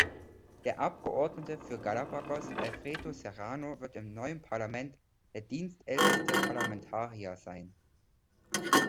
Der Abgeordnete für Galápagos, Alfredo Serrano, wird im neuen Parlament der dienstälteste Parlamentarier sein.